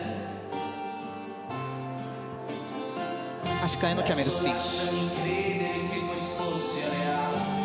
足換えのキャメルスピン。